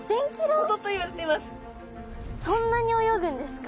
そんなに泳ぐんですか？